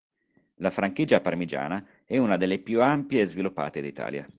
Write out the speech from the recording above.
La Franchigia parmigiana è una delle più ampie e sviluppate d'Italia.